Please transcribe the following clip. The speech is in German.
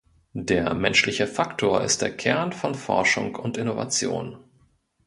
Der menschliche Faktor ist der Kern von Forschung und Innovation.